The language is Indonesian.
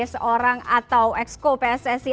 seorang atau exco pssi